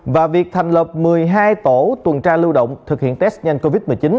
và việc thành lập một mươi hai tổ tuần tra lưu động thực hiện test nhanh covid một mươi chín